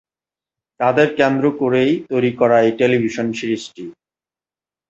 তাদের কেন্দ্র করেই তৈরি করা এই টেলিভিশন সিরিজটি।